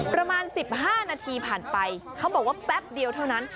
ประมาณ๑๕นาทีผ่านไปเขาบอกว่าแป๊บเดียวเท่านั้น